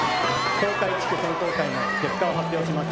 東海地区選考会の結果を発表します